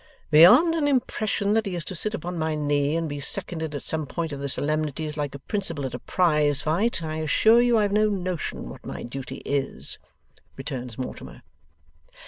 'Beyond an impression that he is to sit upon my knee and be seconded at some point of the solemnities, like a principal at a prizefight, I assure you I have no notion what my duty is,' returns Mortimer.